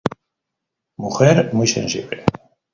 Mujer muy sensible.